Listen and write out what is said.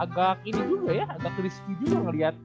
agak ini dulu ya agak risky juga ngeliat